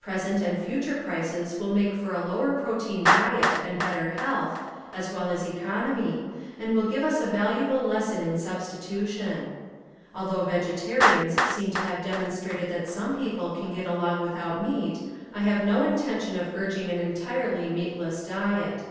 Present and future prices will make for a lower protein diet and better health, as well as economy, and will give us a valuable lesson in substitution. Although vegetarians seem to have demonstrated that some people can get along without meat, I have no inten tion of urging an entirely meatless diet.